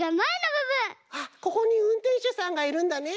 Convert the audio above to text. あっここにうんてんしゅさんがいるんだね。